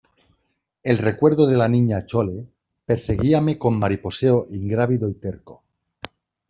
el recuerdo de la Niña Chole perseguíame con mariposeo ingrávido y terco.